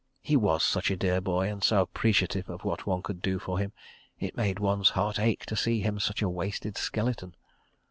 (He was such a dear boy, and so appreciative of what one could do for him. It made one's heart ache to see him such a wasted skeleton.)